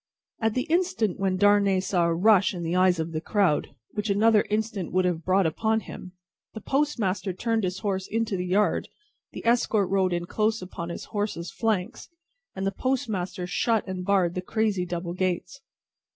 At the instant when Darnay saw a rush in the eyes of the crowd, which another instant would have brought upon him, the postmaster turned his horse into the yard, the escort rode in close upon his horse's flanks, and the postmaster shut and barred the crazy double gates.